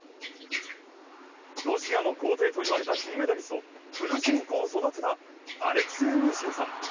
ロシアの皇帝と言われた金メダリスト、プルシェンコを育てたアレクセイ・ミーシンさん。